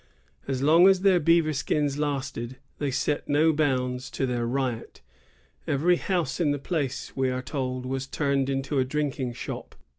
As long as their beaver skins lasted, they set no bounds to their riot. Every house in the place, we are told, was turned into a drinking shop.